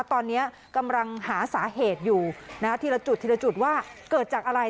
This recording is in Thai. ตอนนี้กำลังหาสาเหตุอยู่ทีละจุดทีละจุดว่าเกิดจากอะไร